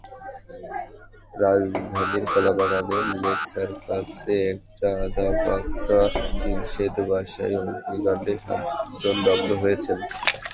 রাজধানীর কলাবাগানের লেক সাকার্সে একটি আধাপাকা টিনশেড বাসায় অগ্নিকাণ্ডে সাতজন দগ্ধ হয়েছেন।